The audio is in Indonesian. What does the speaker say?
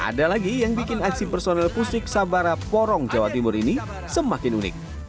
ada lagi yang bikin aksi personel pusik sabara porong jawa timur ini semakin unik